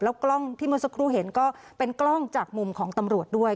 กล้องที่เมื่อสักครู่เห็นก็เป็นกล้องจากมุมของตำรวจด้วย